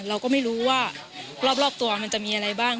เราก็ไม่รู้ว่ารอบตัวมันจะมีอะไรบ้าง